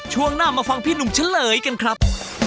ช่วงหน้ามาฟังพี่หนุ่มเฉลยกันครับ